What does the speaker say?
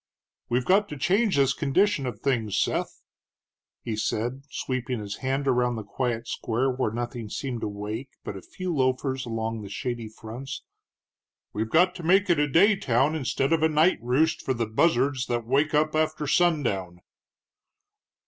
"We've got to change this condition of things, Seth," he said, sweeping his hand around the quiet square, where nothing seemed awake but a few loafers along the shady fronts: "we've got to make it a day town instead of a night roost for the buzzards that wake up after sundown."